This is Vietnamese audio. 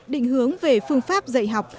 định hướng về phương pháp dạy học